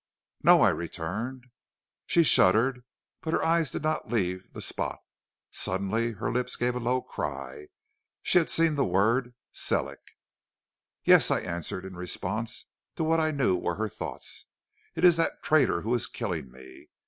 "'No,' I returned. "She shuddered, but her eyes did not leave the spot. Suddenly her lips gave a low cry; she had seen the word Sellick. "'Yes,' I answered in response to what I knew were her thoughts. 'It is that traitor who is killing me.